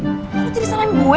lo jadi salahin gue